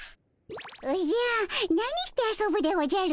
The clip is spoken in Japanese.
おじゃ何して遊ぶでおじゃる？